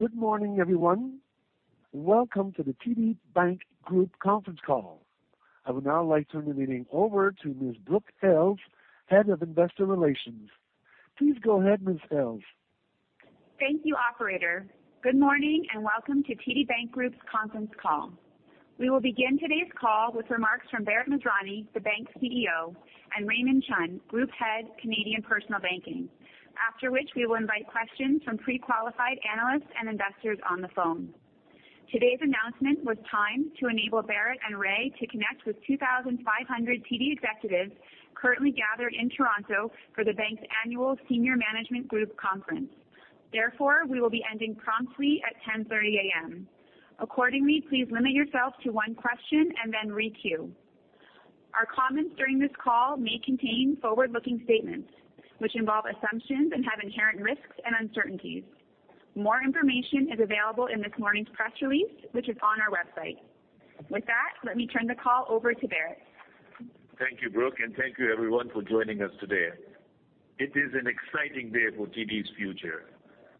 Good morning, everyone, and welcome to the TD Bank Group conference call. I would now like to turn the meeting over to Ms. Brooke Hales, Head of Investor Relations. Please go ahead, Ms. Hales. Thank you, operator. Good morning, and welcome to TD Bank Group's conference call. We will begin today's call with remarks from Bharat Masrani, the bank's CEO, and Raymond Chun, Group Head, Canadian Personal Banking. After which, we will invite questions from pre-qualified analysts and investors on the phone. Today's announcement was timed to enable Bharat and Ray to connect with 2,500 TD executives currently gathered in Toronto for the bank's annual Senior Management Group conference. Therefore, we will be ending promptly at 10:30 A.M. Accordingly, please limit yourself to one question and then re-queue. Our comments during this call may contain forward-looking statements, which involve assumptions and have inherent risks and uncertainties. More information is available in this morning's press release, which is on our website. With that, let me turn the call over to Bharat. Thank you, Brooke, and thank you everyone for joining us today. It is an exciting day for TD's future.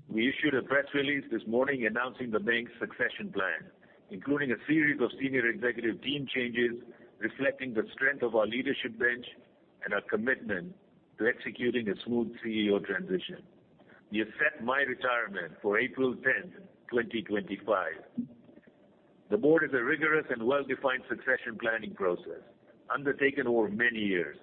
We issued a press release this morning announcing the bank's succession plan, including a series of Senior Executive Team changes, reflecting the strength of our leadership bench and our commitment to executing a smooth CEO transition. We announced my retirement for April 10th, 2025. The board has a rigorous and well-defined succession planning process undertaken over many years.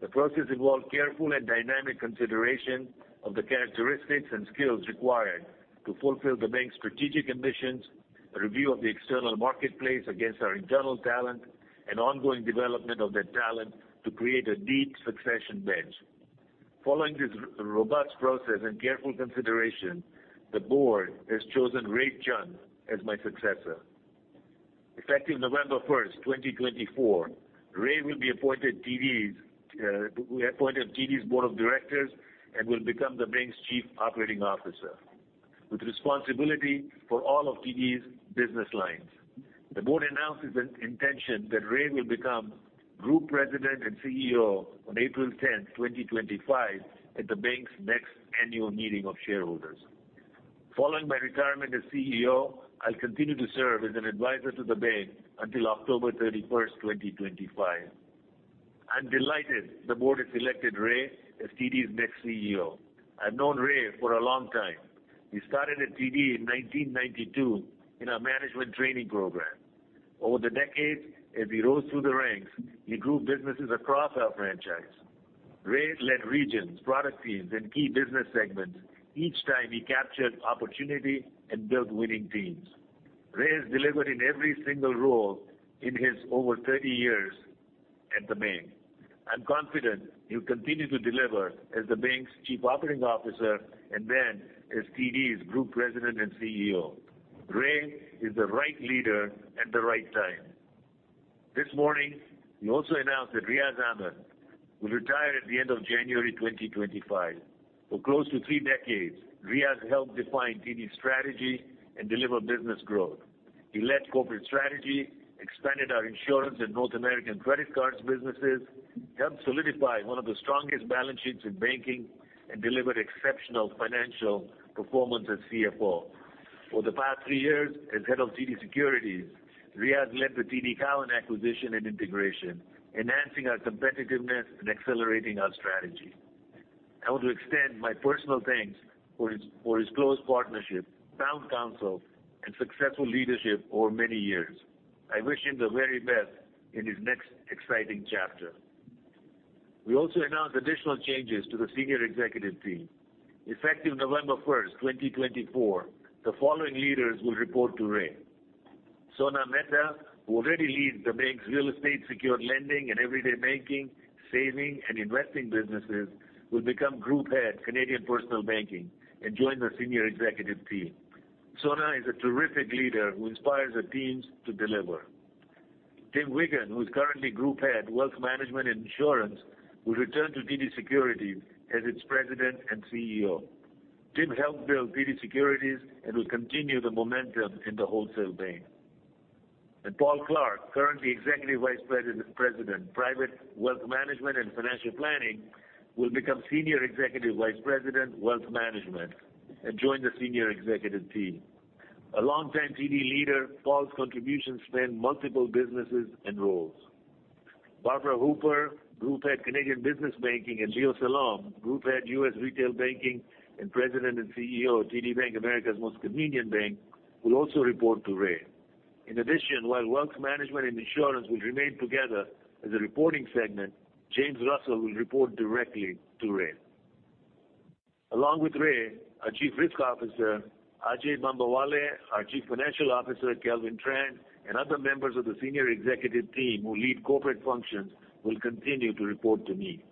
The process involved careful and dynamic consideration of the characteristics and skills required to fulfill the bank's strategic ambitions, a review of the external marketplace against our internal talent, and ongoing development of that talent to create a deep succession bench. Following this robust process and careful consideration, the board has chosen Ray Chun as my successor. Effective November 1st, 2024, Ray will be appointed TD's Board of Directors and will become the bank's Chief Operating Officer, with responsibility for all of TD's business lines. The board announces an intention that Ray will become Group President and CEO on April 10th, 2025, at the bank's next annual meeting of shareholders. Following my retirement as CEO, I'll continue to serve as an advisor to the bank until October 31st, 2025. I'm delighted the board has selected Ray as TD's next CEO. I've known Ray for a long time. He started at TD in 1992 in our management training program. Over the decades, as he rose through the ranks, he grew businesses across our franchise. Ray led regions, product teams, and key business segments. Each time he captured opportunity and built winning teams. Ray has delivered in every single role in his over 30 years at the bank. I'm confident he'll continue to deliver as the bank's Chief Operating Officer and then as TD's Group President and CEO. Ray is the right leader at the right time. This morning, we also announced that Riaz Ahmed will retire at the end of January 2025. For close to three decades, Riaz helped define TD's strategy and deliver business growth. He led corporate strategy, expanded our insurance and North American credit cards businesses, helped solidify one of the strongest balance sheets in banking, and delivered exceptional financial performance as CFO. For the past three years, as Head of TD Securities, Riaz led the TD Cowen acquisition and integration, enhancing our competitiveness and accelerating our strategy. I want to extend my personal thanks for his close partnership, sound counsel, and successful leadership over many years. I wish him the very best in his next exciting chapter. We also announced additional changes to the Senior Executive Team. Effective November first, 2024, the following leaders will report to Ray. Sona Mehta, who already leads the bank's real estate secured lending and everyday banking, saving, and investing businesses, will become Group Head, Canadian Personal Banking, and join the Senior Executive Team. Sona is a terrific leader who inspires the teams to deliver. Tim Wiggan, who is currently Group Head, Wealth Management and Insurance, will return to TD Securities as its President and CEO. Tim helped build TD Securities and will continue the momentum in the wholesale bank. Paul Clark, currently Executive Vice President, President, Private Wealth Management and Financial Planning, will become Senior Executive Vice President, Wealth Management, and join the senior executive team. A longtime TD leader, Paul's contributions span multiple businesses and roles. Barbara Hooper, Group Head, Canadian Business Banking, and Leo Salom, Group Head, U.S. Retail Banking, and President and CEO of TD Bank, America's Most Convenient Bank, will also report to Ray. In addition, while wealth management and insurance will remain together as a reporting segment, James Russell will report directly to Ray. Along with Ray, our Chief Risk Officer, Ajay Bambawale, our Chief Financial Officer, Kelvin Tran, and other members of the senior executive team who lead corporate functions, will continue to report to me.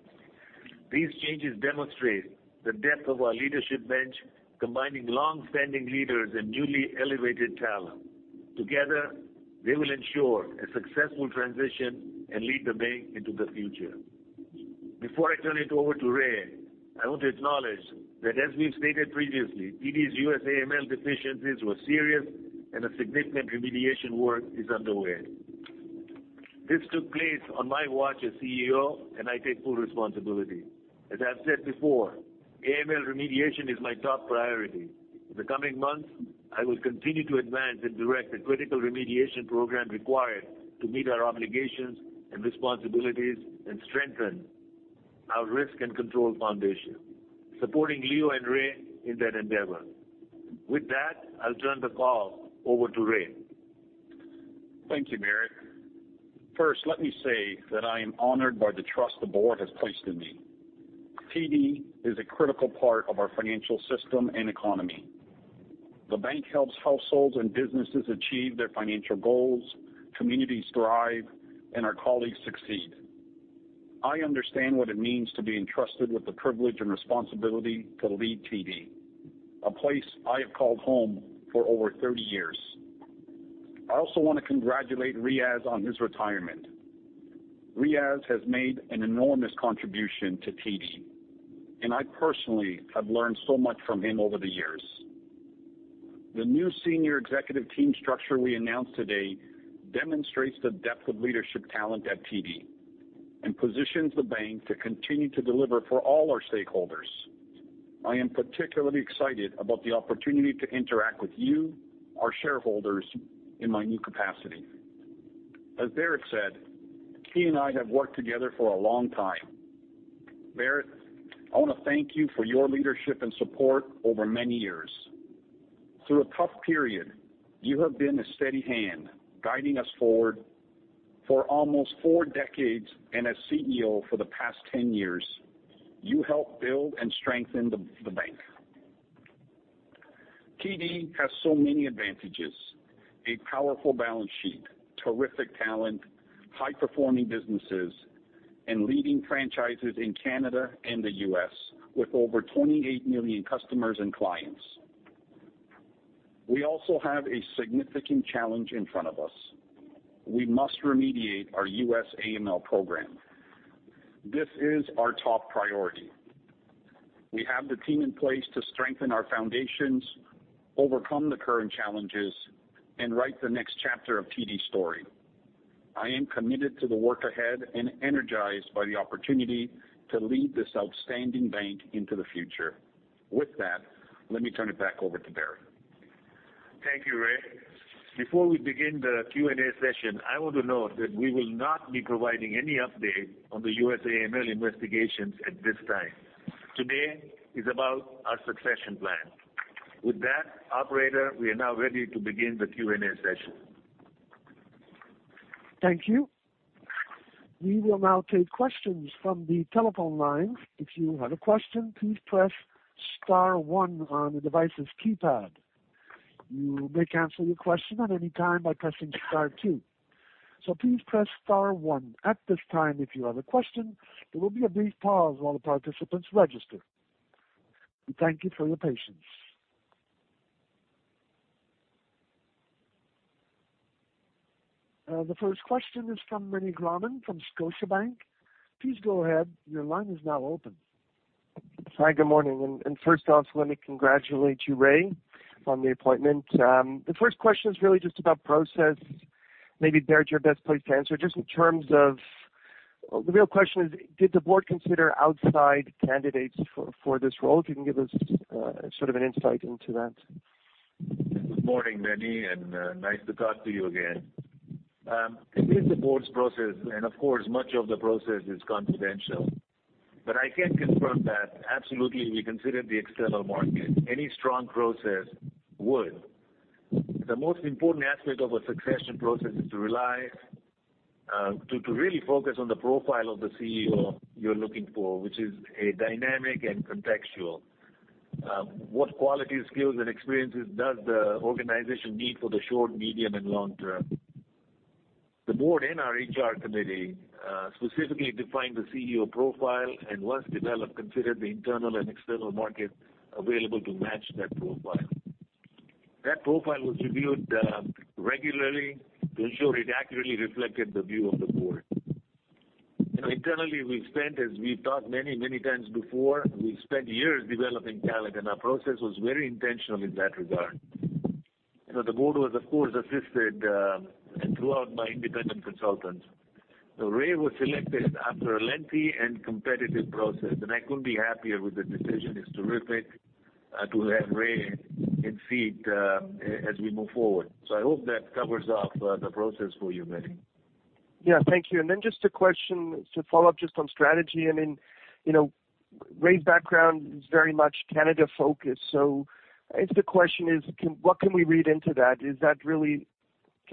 These changes demonstrate the depth of our leadership bench, combining long-standing leaders and newly elevated talent. Together, they will ensure a successful transition and lead the bank into the future. Before I turn it over to Ray, I want to acknowledge that, as we've stated previously, TD's U.S. AML deficiencies were serious, and a significant remediation work is underway. This took place on my watch as CEO, and I take full responsibility. As I've said before, AML remediation is my top priority. In the coming months, I will continue to advance and direct the critical remediation program required to meet our obligations and responsibilities and strengthen our risk and control foundation, supporting Leo and Ray in that endeavor. With that, I'll turn the call over to Ray. Thank you, Bharat. First, let me say that I am honored by the trust the board has placed in me. TD is a critical part of our financial system and economy. The bank helps households and businesses achieve their financial goals, communities thrive, and our colleagues succeed. I understand what it means to be entrusted with the privilege and responsibility to lead TD, a place I have called home for over thirty years. I also want to congratulate Riaz on his retirement. Riaz has made an enormous contribution to TD, and I personally have learned so much from him over the years. The new Senior Executive Team structure we announced today demonstrates the depth of leadership talent at TD and positions the bank to continue to deliver for all our stakeholders. I am particularly excited about the opportunity to interact with you, our shareholders, in my new capacity. As Bharat said, he and I have worked together for a long time. Bharat, I want to thank you for your leadership and support over many years. Through a tough period, you have been a steady hand, guiding us forward for almost four decades, and as CEO for the past ten years, you helped build and strengthen the bank. TD has so many advantages: a powerful balance sheet, terrific talent, high-performing businesses, and leading franchises in Canada and the U.S., with over twenty-eight million customers and clients. We also have a significant challenge in front of us. We must remediate our U.S. AML program. This is our top priority. We have the team in place to strengthen our foundations, overcome the current challenges, and write the next chapter of TD's story. I am committed to the work ahead and energized by the opportunity to lead this outstanding bank into the future. With that, let me turn it back over to Bharat. Thank you, Ray. Before we begin the Q&A session, I want to note that we will not be providing any update on the U.S. AML investigations at this time. Today is about our succession plan. With that, operator, we are now ready to begin the Q&A session. Thank you. We will now take questions from the telephone lines. If you have a question, please press star one on the device's keypad. You may cancel your question at any time by pressing star two. So please press star one at this time if you have a question. There will be a brief pause while the participants register. We thank you for your patience. The first question is from Meny Grauman, from Scotiabank. Please go ahead. Your line is now open. Hi, good morning. And first off, let me congratulate you, Ray, on the appointment. The first question is really just about process. Maybe, Bharat, you're best placed to answer. Just in terms of the real question is, did the board consider outside candidates for this role? If you can give us sort of an insight into that. Good morning, Meny, and nice to talk to you again. It is the board's process, and of course, much of the process is confidential, but I can confirm that absolutely we considered the external market. Any strong process would. The most important aspect of a succession process is to rely, to really focus on the profile of the CEO you're looking for, which is a dynamic and contextual. What qualities, skills, and experiences does the organization need for the short, medium, and long term? The board and our HR Committee specifically defined the CEO profile, and once developed, considered the internal and external market available to match that profile. That profile was reviewed, regularly to ensure it accurately reflected the view of the board. You know, internally, we spent, as we've talked many, many times before, we spent years developing talent, and our process was very intentional in that regard. You know, the board was, of course, assisted and throughout by independent consultants. So Ray was selected after a lengthy and competitive process, and I couldn't be happier with the decision. It's terrific to have Ray in seat as we move forward. So I hope that covers off the process for you, Meny. Yeah, thank you. And then just a question to follow up just on strategy. I mean, you know, Ray's background is very much Canada-focused, so I guess the question is, can -- what can we read into that? Is that really...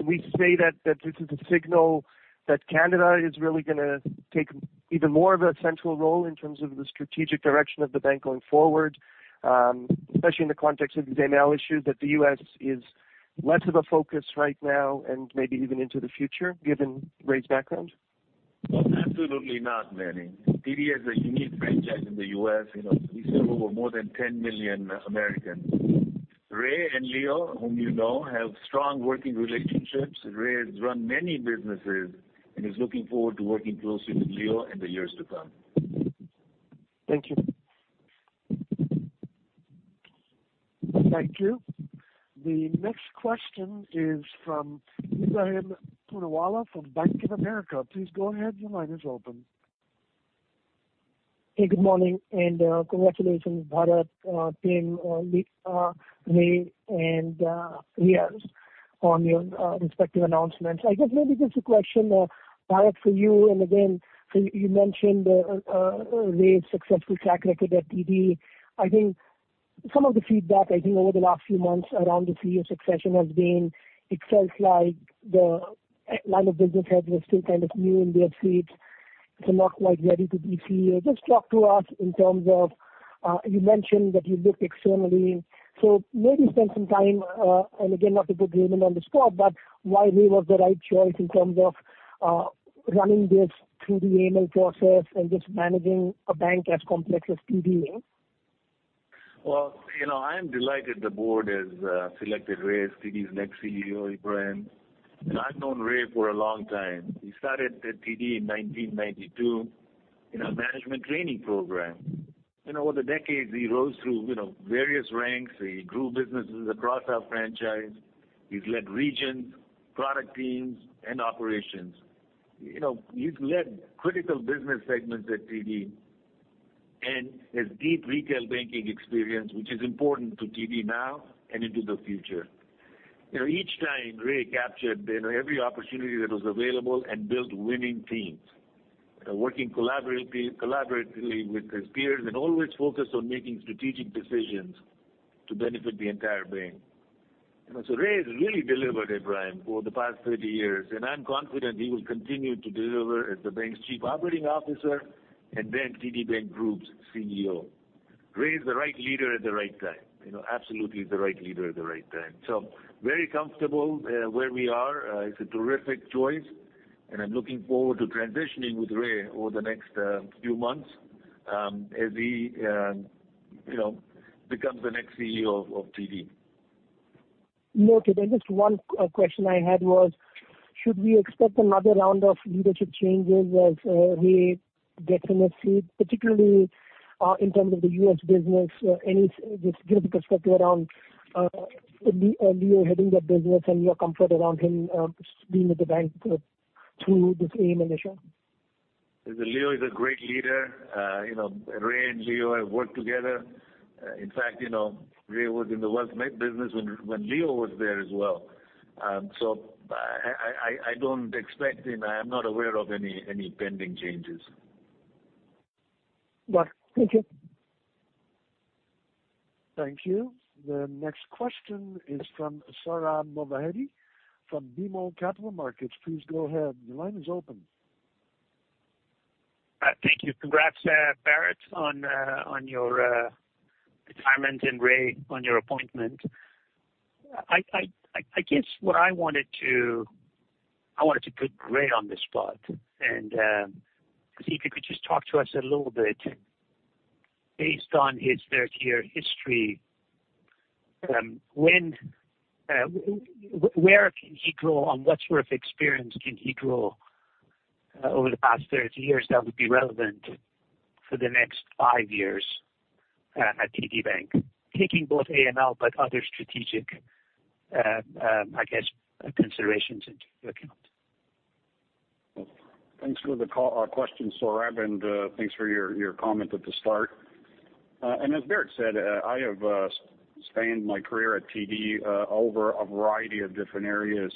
Can we say that, that this is a signal that Canada is really gonna take even more of a central role in terms of the strategic direction of the bank going forward, especially in the context of the AML issue, that the U.S. is less of a focus right now and maybe even into the future, given Ray's background? Absolutely not, Meny. TD has a unique franchise in the U.S. You know, we serve over more than 10 million Americans. Ray and Leo, whom you know, have strong working relationships. Ray has run many businesses and is looking forward to working closely with Leo in the years to come. Thank you. Thank you. The next question is from Ebrahim Poonawala from Bank of America. Please go ahead, your line is open. Hey, good morning, and, congratulations, Bharat, team, Ray, and, Riaz on your, respective announcements. I guess maybe just a question, Bharat, for you, and again, so you mentioned, Ray's successful track record at TD. I think some of the feedback, I think, over the last few months around the CEO succession has been, it feels like the line of business heads were still kind of new in their seats, so not quite ready to be CEO. Just talk to us in terms of, you mentioned that you looked externally, so maybe spend some time, and again, not to put Raymond on the spot, but why Ray was the right choice in terms of, running this through the AML process and just managing a bank as complex as TD? I am delighted the board has selected Ray as TD's next CEO, Ebrahim. I've known Ray for a long time. He started at TD in 1992 in a management training program, and over the decades, he rose through, you know, various ranks. He grew businesses across our franchise. He's led regions, product teams, and operations. You know, he's led critical business segments at TD and has deep retail banking experience, which is important to TD now and into the future. You know, each time, Ray captured, you know, every opportunity that was available and built winning teams, working collaboratively with his peers and always focused on making strategic decisions to benefit the entire bank. You know, so Ray has really delivered, Ebrahim, for the past 30 years, and I'm confident he will continue to deliver as the bank's Chief Operating Officer and then TD Bank Group's CEO. Ray is the right leader at the right time. You know, absolutely the right leader at the right time, so very comfortable where we are. It's a terrific choice, and I'm looking forward to transitioning with Ray over the next few months as he, you know, becomes the next CEO of TD. Noted. And just one question I had was, should we expect another round of leadership changes as Ray gets in his seat, particularly in terms of the U.S. business? And just give us perspective around Leo heading that business and your comfort around him being with the bank through this AML issue. Leo is a great leader. You know, Ray and Leo have worked together. In fact, you know, Ray was in the wealth management business when Leo was there as well. So I don't expect him. I am not aware of any pending changes. Right. Thank you. Thank you. The next question is from Sohrab Movahedi from BMO Capital Markets. Please go ahead. Your line is open. Thank you. Congrats, Bharat, on your retirement and Ray, on your appointment. I guess what I wanted to put Ray on the spot, and so if you could just talk to us a little bit, based on his thirty-year history, where can he grow, on what sort of experience can he grow over the past thirty years that would be relevant for the next five years at TD Bank? Taking both AML but other strategic, I guess, considerations into account. Thanks for the call, question, Sohrab, and thanks for your comment at the start. As Bharat said, I have spanned my career at TD over a variety of different areas.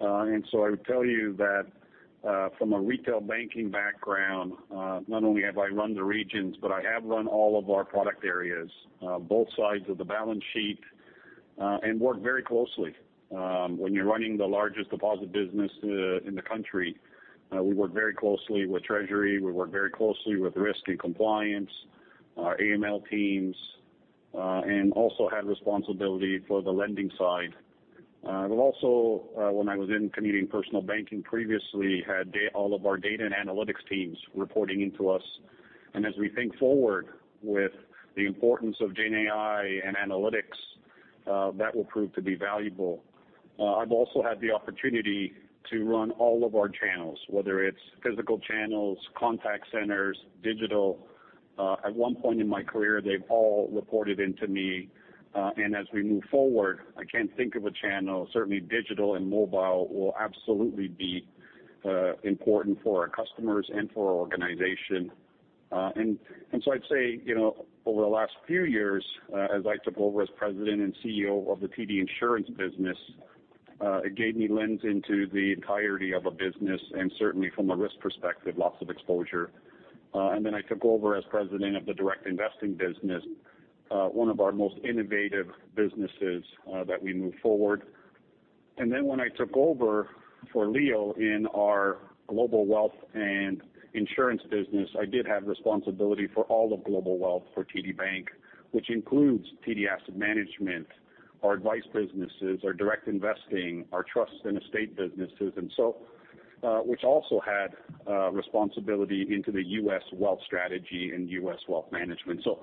So I would tell you that from a retail banking background, not only have I run the regions, but I have run all of our product areas, both sides of the balance sheet, and worked very closely. When you're running the largest deposit business in the country, we work very closely with treasury, we work very closely with risk and compliance, our AML teams, and also have responsibility for the lending side. But also, when I was in Canadian Personal Banking previously, had all of our data and analytics teams reporting into us. As we think forward with the importance of Gen AI and analytics, that will prove to be valuable. I've also had the opportunity to run all of our channels, whether it's physical channels, contact centers, digital. At one point in my career, they've all reported into me, and as we move forward, I can't think of a channel. Certainly digital and mobile will absolutely be important for our customers and for our organization. So I'd say, you know, over the last few years, as I took over as President and CEO of the TD Insurance business, it gave me lens into the entirety of a business, and certainly from a risk perspective, lots of exposure. And then I took over as president of the direct investing business, one of our most innovative businesses, that we move forward. And then when I took over for Leo in our global wealth and insurance business, I did have responsibility for all of global wealth for TD Bank, which includes TD Asset Management, our advice businesses, our direct investing, our trusts and estate businesses. And so, which also had responsibility into the U.S. wealth strategy and U.S. wealth management. So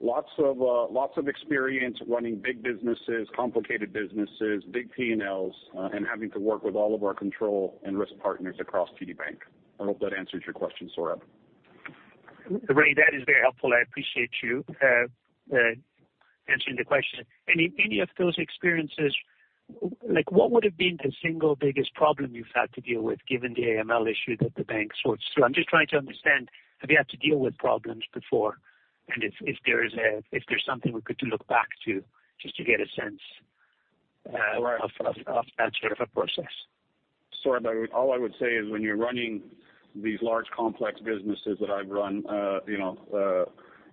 lots of, lots of experience running big businesses, complicated businesses, big P&Ls, and having to work with all of our control and risk partners across TD Bank. I hope that answers your question, Sohrab.... Ray, that is very helpful. I appreciate you answering the question. Any of those experiences, like, what would have been the single biggest problem you've had to deal with, given the AML issue that the bank sorts through? I'm just trying to understand, have you had to deal with problems before? And if there's something we could to look back to, just to get a sense… Right. …of that sort of a process. Sorry, but all I would say is, when you're running these large, complex businesses that I've run, you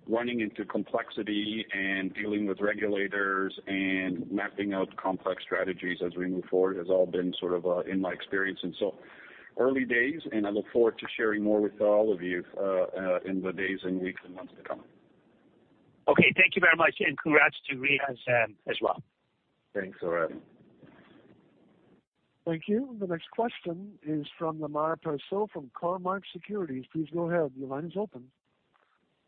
know, running into complexity and dealing with regulators and mapping out complex strategies as we move forward, has all been sort of, in my experience, and so early days, and I look forward to sharing more with all of you, in the days and weeks and months to come. Okay, thank you very much, and congrats to Ray as well. Thanks, Sohrab. Thank you. The next question is from Lemar Persaud from Cormark Securities. Please go ahead, your line is open.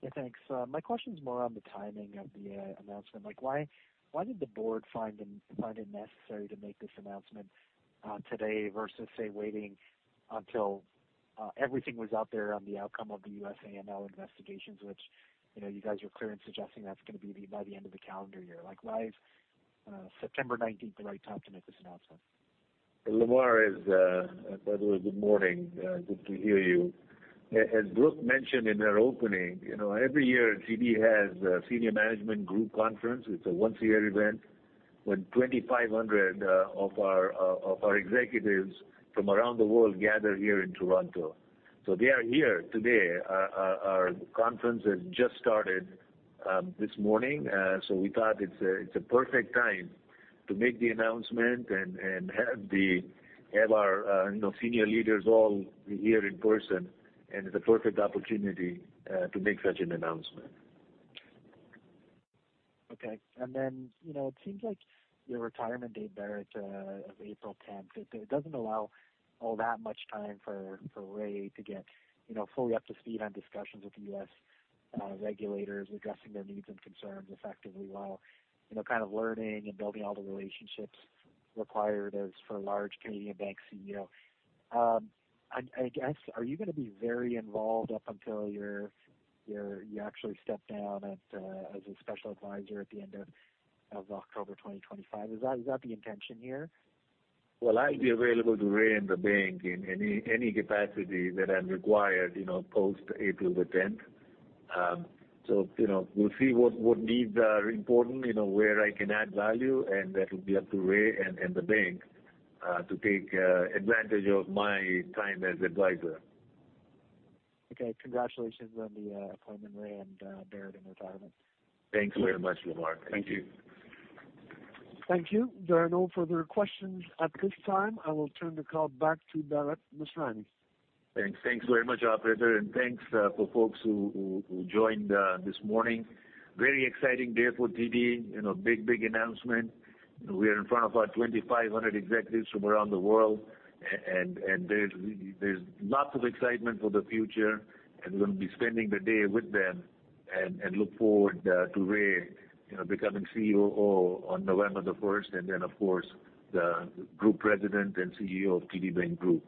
Yeah, thanks. My question is more on the timing of the announcement. Like, why, why did the board find it, find it necessary to make this announcement today, versus, say, waiting until everything was out there on the outcome of the U.S. AML investigations, which, you know, you guys are clear in suggesting that's gonna be by the end of the calendar year. Like, why is September nineteenth the right time to make this announcement? Lemar, by the way, good morning, good to hear you. As Brooke mentioned in her opening, you know, every year, TD has a Senior Management Group conference. It's a once-a-year event, when 2,500 of our executives from around the world gather here in Toronto. So they are here today. Our conference has just started this morning, so we thought it's a perfect time to make the announcement and have our, you know, senior leaders all here in person, and it's a perfect opportunity to make such an announcement. Okay. And then, you know, it seems like your retirement date, Bharat, of April tenth, it doesn't allow all that much time for Ray to get, you know, fully up to speed on discussions with the U.S. regulators, addressing their needs and concerns effectively, while, you know, kind of learning and building all the relationships required as for a large Canadian bank CEO. I guess, are you gonna be very involved up until you actually step down as a special advisor at the end of October 2025? Is that the intention here? Well, I'll be available to Ray and the bank in any capacity that I'm required, you know, post April the tenth. You know, we'll see what needs are important, you know, where I can add value, and that will be up to Ray and the bank to take advantage of my time as advisor. Okay. Congratulations on the appointment, Ray and Bharat, in retirement. Thanks very much, Lemar. Thank you. Thank you. There are no further questions at this time. I will turn the call back to Bharat Masrani. Thanks. Thanks very much, operator, and thanks for folks who joined this morning. Very exciting day for TD, you know, big, big announcement. We are in front of our 2,500 executives from around the world, and there's lots of excitement for the future, and we're gonna be spending the day with them and look forward to Ray, you know, becoming COO on November the first, and then, of course, the Group President and CEO of TD Bank Group.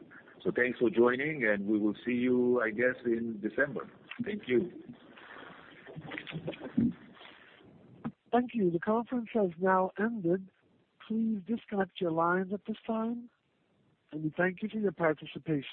Thanks for joining, and we will see you, I guess, in December. Thank you. Thank you. The conference has now ended. Please disconnect your lines at this time, and thank you for your participation.